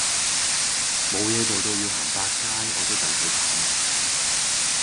冇嘢做到要行百佳我都戥佢慘